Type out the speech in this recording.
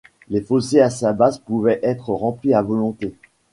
Les fossés à sa base pouvaient être remplis à volonté.